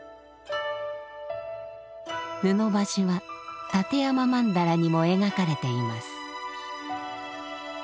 布橋は立山曼荼羅にも描かれています。